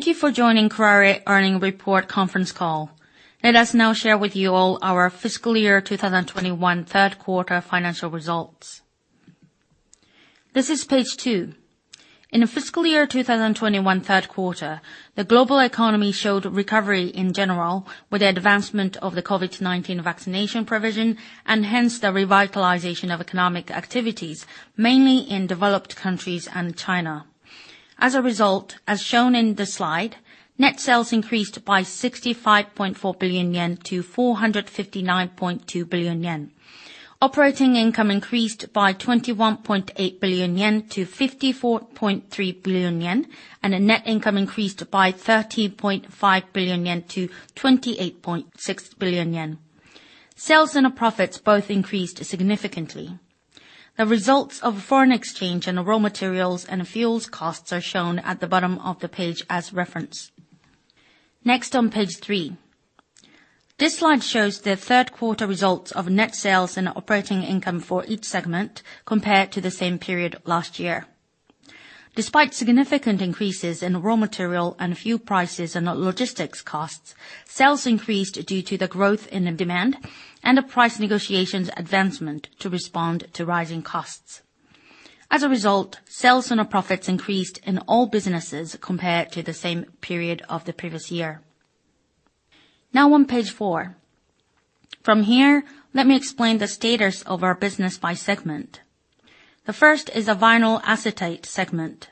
Thank you for joining Kuraray Earnings Report Conference Call. Let us now share with you all our fiscal year 2021 third quarter financial results. This is page two. In fiscal year 2021 third quarter, the global economy showed recovery in general with the advancement of the COVID-19 vaccination provision and hence the revitalization of economic activities, mainly in developed countries and China. As a result, as shown in the slide, net sales increased by 65.4 billion yen to 459.2 billion yen. Operating income increased by 21.8 billion yen to 54.3 billion yen, and net income increased by 13.5 billion yen to 28.6 billion yen. Sales and profits both increased significantly. The results of foreign exchange and raw materials and fuels costs are shown at the bottom of the page as reference. Next on page three. This slide shows the third quarter results of net sales and operating income for each segment compared to the same period last year. Despite significant increases in raw material and fuel prices and logistics costs, sales increased due to the growth in demand and the price negotiations advancement to respond to rising costs. As a result, sales and profits increased in all businesses compared to the same period of the previous year. Now on page four. From here, let me explain the status of our business by segment. The first is a Vinyl Acetate segment.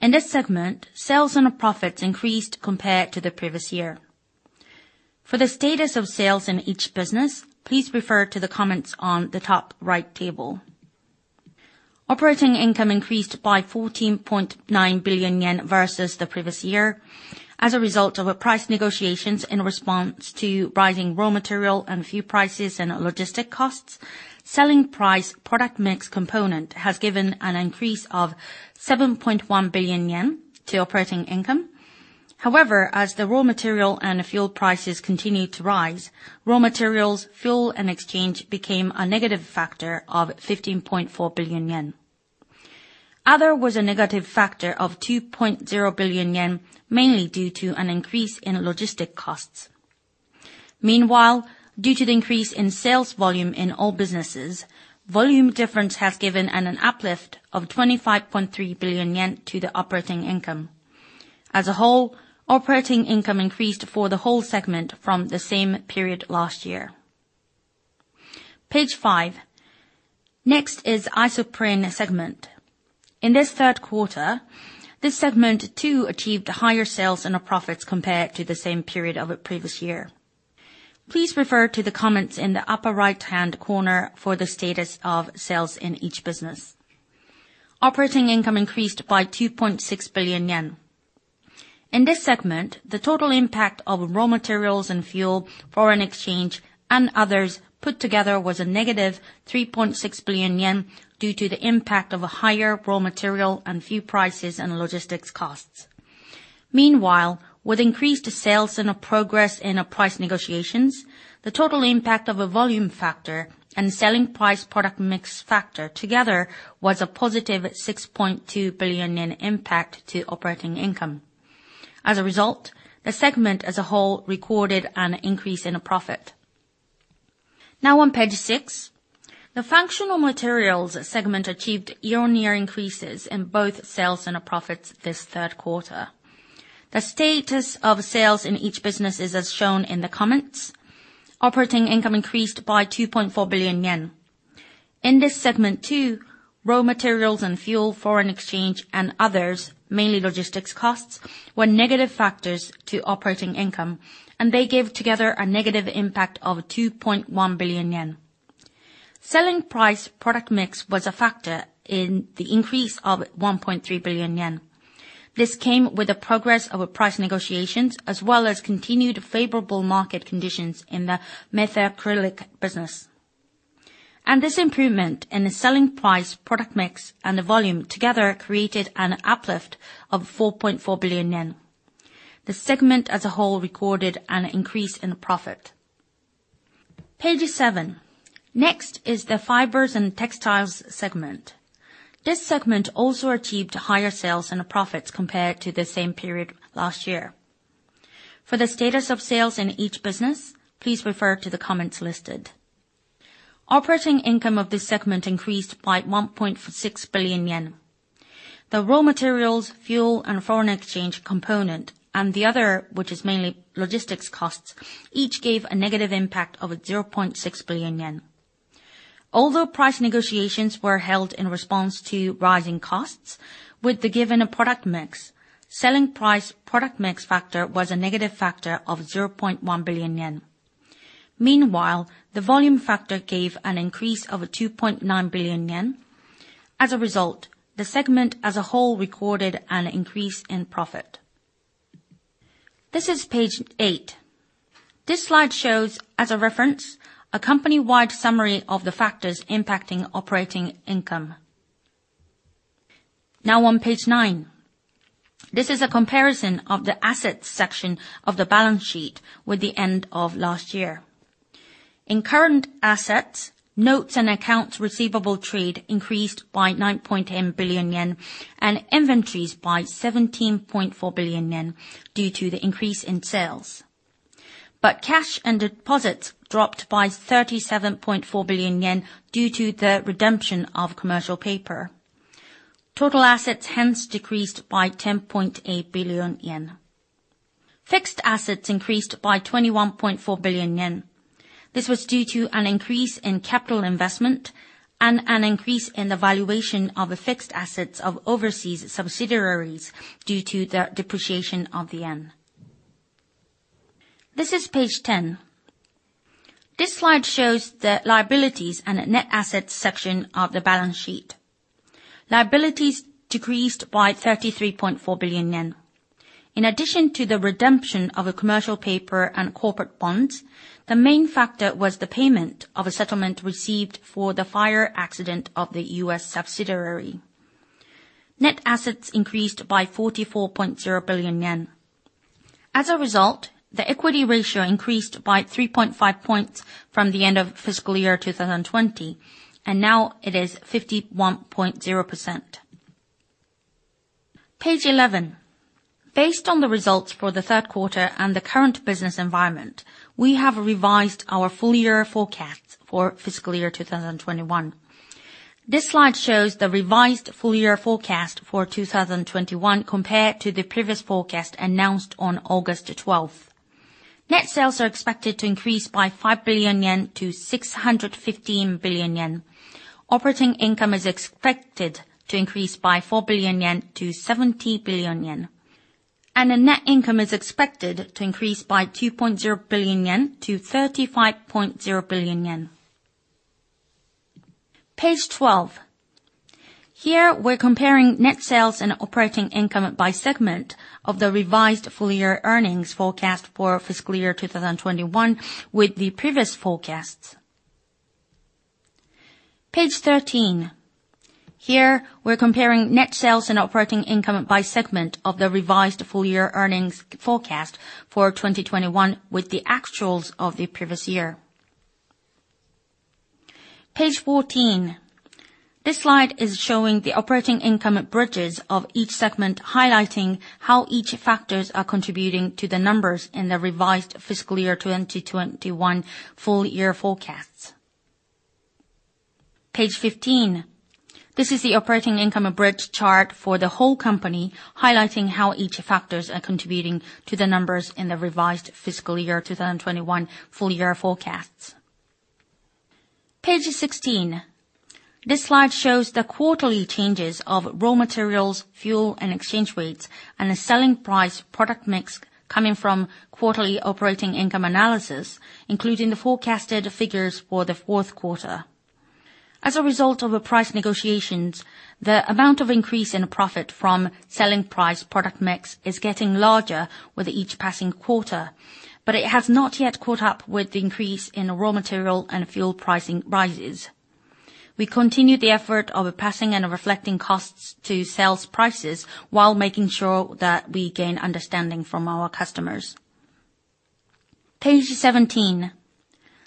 In this segment, sales and profits increased compared to the previous year. For the status of sales in each business, please refer to the comments on the top right table. Operating income increased by 14.9 billion yen versus the previous year. As a result of price negotiations in response to rising raw material and fuel prices and logistics costs, selling price product mix component has given an increase of 7.1 billion yen to operating income. However, as the raw material and fuel prices continued to rise, raw materials, fuel and exchange became a negative factor of 15.4 billion yen. Other was a negative factor of 2.0 billion yen, mainly due to an increase in logistics costs. Meanwhile, due to the increase in sales volume in all businesses, volume difference has given an uplift of 25.3 billion yen to the operating income. As a whole, operating income increased for the whole segment from the same period last year. Page five. Next is Isoprene segment. In this third quarter, this segment too achieved higher sales and profits compared to the same period of the previous year. Please refer to the comments in the upper right-hand corner for the status of sales in each business. Operating income increased by 2.6 billion yen. In this segment, the total impact of raw materials and fuel, foreign exchange and others put together was a negative 3.6 billion yen due to the impact of higher raw material and fuel prices and logistics costs. Meanwhile, with increased sales and progress in price negotiations, the total impact of a volume factor and selling price product mix factor together was a positive 6.2 billion impact to operating income. As a result, the segment as a whole recorded an increase in profit. Now on page six. The Functional Materials segment achieved year-on-year increases in both sales and profits this third quarter. The status of sales in each business is as shown in the comments. Operating income increased by 2.4 billion yen. In this segment too, raw materials and fuel, foreign exchange and others, mainly logistics costs, were negative factors to operating income, and they gave together a negative impact of 2.1 billion yen. Selling price product mix was a factor in the increase of 1.3 billion yen. This came with the progress of a price negotiations as well as continued favorable market conditions in the Methacrylic business. This improvement in the selling price product mix and the volume together created an uplift of 4.4 billion yen. The segment as a whole recorded an increase in profit. Page seven. Next is the Fibers and Textiles segment. This segment also achieved higher sales and profits compared to the same period last year. For the status of sales in each business, please refer to the comments listed. Operating income of this segment increased by 1.6 billion yen. The raw materials, fuel and foreign exchange component and the other, which is mainly logistics costs, each gave a negative impact of 0.6 billion yen. Although price negotiations were held in response to rising costs with the given product mix, selling price product mix factor was a negative factor of 0.1 billion yen. Meanwhile, the volume factor gave an increase of 2.9 billion yen. As a result, the segment as a whole recorded an increase in profit. This is page eight. This slide shows, as a reference, a company-wide summary of the factors impacting operating income. Now on page nine. This is a comparison of the assets section of the balance sheet with the end of last year. In current assets, notes and accounts receivable trade increased by 9.9 billion yen and inventories by 17.4 billion yen due to the increase in sales. Cash and deposits dropped by 37.4 billion yen due to the redemption of commercial paper. Total assets hence decreased by 10.8 billion yen. Fixed assets increased by 21.4 billion yen. This was due to an increase in capital investment and an increase in the valuation of the fixed assets of overseas subsidiaries due to the depreciation of the yen. This is page 10. This slide shows the liabilities and net assets section of the balance sheet. Liabilities decreased by 33.4 billion yen. In addition to the redemption of a commercial paper and corporate bonds, the main factor was the payment of a settlement received for the fire accident of the U.S. subsidiary. Net assets increased by 44.0 billion yen. As a result, the equity ratio increased by 3.5 points from the end of fiscal year 2020, and now it is 51.0%. Page 11. Based on the results for the third quarter and the current business environment, we have revised our full year forecast for fiscal year 2021. This slide shows the revised full year forecast for 2021 compared to the previous forecast announced on August twelfth. Net sales are expected to increase by 5 billion yen to 615 billion yen. Operating income is expected to increase by 4 billion yen to 70 billion yen, and the net income is expected to increase by 2.0 billion yen to 35.0 billion yen. Page 12. Here we're comparing net sales and operating income by segment of the revised full year earnings forecast for fiscal year 2021 with the previous forecasts. Page 13. Here we're comparing net sales and operating income by segment of the revised full year earnings forecast for 2021 with the actuals of the previous year. Page 14. This slide is showing the operating income bridges of each segment, highlighting how each factors are contributing to the numbers in the revised fiscal year 2021 full year forecasts. Page 15. This is the operating income bridge chart for the whole company, highlighting how each factors are contributing to the numbers in the revised fiscal year 2021 full year forecasts. Page 16. This slide shows the quarterly changes of raw materials, fuel and exchange rates, and the selling price product mix coming from quarterly operating income analysis, including the forecasted figures for the fourth quarter. As a result of a price negotiations, the amount of increase in profit from selling price product mix is getting larger with each passing quarter, but it has not yet caught up with the increase in raw material and fuel pricing rises. We continue the effort of passing and reflecting costs to sales prices while making sure that we gain understanding from our customers. Page 17.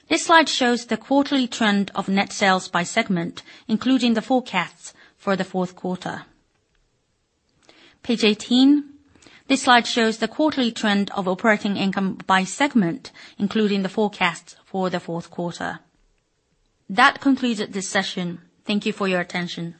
This slide shows the quarterly trend of net sales by segment, including the forecasts for the fourth quarter. Page 18. This slide shows the quarterly trend of operating income by segment, including the forecasts for the fourth quarter. That concludes this session. Thank you for your attention.